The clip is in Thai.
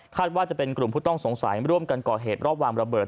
ว่าจะเป็นกลุ่มผู้ต้องสงสัยร่วมกันก่อเหตุรอบวางระเบิด